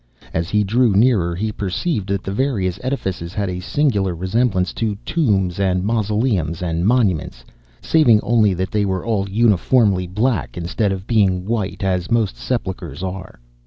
As he drew nearer, he perceived that the various edifices had a singular resemblance to tombs and mausoleums and monuments, saving only that they were all uniformly black instead of being white, as most sepulchres are.